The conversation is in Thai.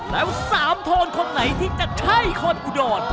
แล้ว๓โทนคนไหนที่จะใช่คนอุดร